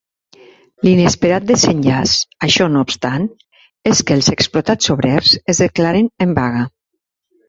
L'inesperat desenllaç, això no obstant, és que els explotats obrers es declaren en vaga.